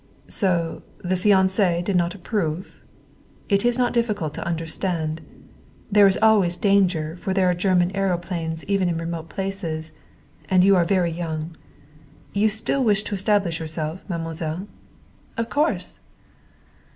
"So the fiance did not approve? It is not difficult to understand. There is always danger, for there are German aëroplanes even in remote places. And you are very young. You still wish to establish yourself, mademoiselle?" "Of course!"